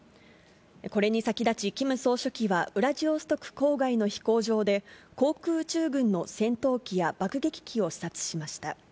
これに先立ち、キム総書記はウラジオストク郊外の飛行場で航空宇宙軍の戦闘機や爆撃機を視察しました。